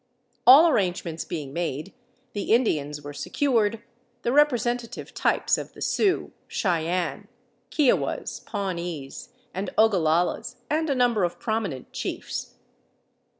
All arrangements being made, the Indians were secured, the representative types of the Sioux, Cheyennes, Kiowas, Pawnees, and Ogalallas, and a number of prominent chiefs.